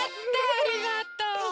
ありがとう。